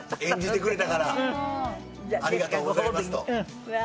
「ありがとうございます」と。